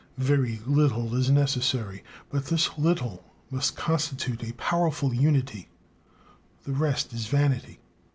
Very little is necessary; but this little must constitute a powerful unity; the rest is vanity.